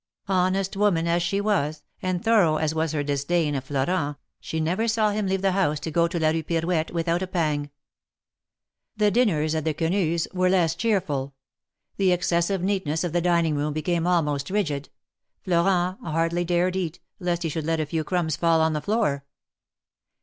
Honest woman as she was, and thorough as was her disdain of Florent, she never saw him leave the house to go to la Rue Pirouette without a pang. The dinners at the Quenus' were less cheerful. The . excessive neatness of the dining room became almost rigid. Florent hardly dared eat, lest he should let a few crumbs fall on the floor.